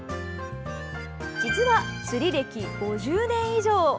実は釣り歴５０年以上。